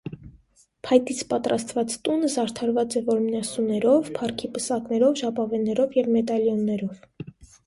Փայտից պատրաստված տունը զարդարված է որմնասյուներով, փառքի պսակներով, ժապավեններով և մեդալիոններով։